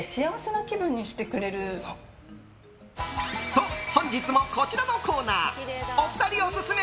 と、本日もこちらのコーナーお二人オススメ